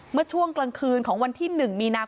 เมื่อช่วงกลางคืนของวันที่๑มีนาคม